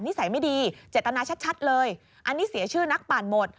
นิสัยไม่ดีเจตนาชัดเลยอันนี้เสียชื่อนักปั่นหมด